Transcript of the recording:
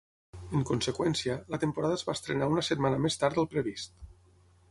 En conseqüència, la temporada es va estrenar una setmana més tard del previst.